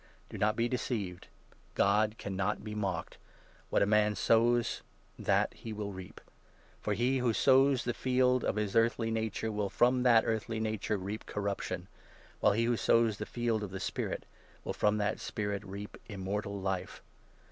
Do not be deceived. God cannot be mocked. What a 7 man sows that he will reap. For he who sows the field of his 8 earthly nature will from that earthly nature reap corruption ; while he who sows the field of the spirit will from that spirit reap Immortal Life.